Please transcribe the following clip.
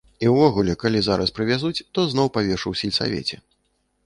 І ўвогуле, калі зараз прывязуць, то зноў павешу ў сельсавеце.